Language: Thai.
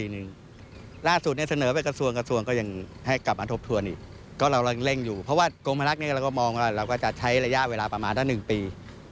อนุญาตให้ใช้ชั่วคราวได้๑ปี